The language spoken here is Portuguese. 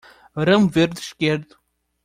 Ramo verde esquerdo